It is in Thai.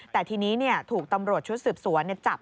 แต่ทีนี้ถูกตำรวจชุดสืบสวนจับ